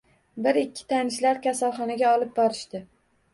Bir ikki tanishlar kasalxonaga olib borishdi.